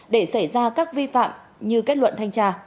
để xảy ra các hệ thống đất rừng